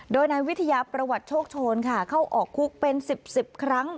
โดยนายวิทยาประวัติโชคโชนค่ะเข้าออกคุกเป็น๑๐๑๐ครั้ง